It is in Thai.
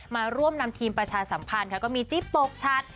มาร่วมนำทีมประชาสัมพันธ์ค่ะก็มีจิ๊บปกชัด